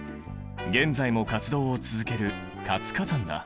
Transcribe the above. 現在も活動を続ける活火山だ。